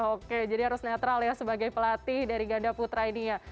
oke jadi harus netral ya sebagai pelatih dari ganda putra ini ya